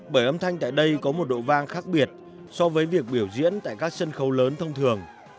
bởi âm thanh tại đây có một độ vang khác biệt so với việc biểu diễn tại các sân khấu lớn thông thường